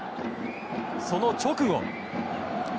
その直後。